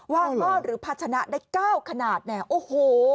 ว่างอ้อนหรือพัฒนาได้๙ขนาดโอ้โห